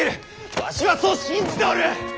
わしはそう信じておる！